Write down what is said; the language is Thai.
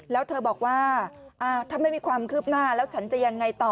แล้วเธอบอกว่าถ้าไม่มีความคืบหน้าแล้วฉันจะยังไงต่อ